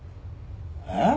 えっ？